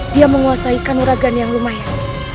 dia menguasai kanuragan yang lumayan